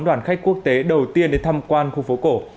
là khách quốc tế đầu tiên đến tham quan khu phố cổ